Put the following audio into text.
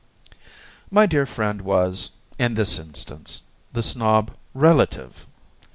My dear friend was, in this instance, the Snob RELATIVE.